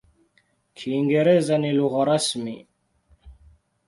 Kiingereza ni lugha rasmi.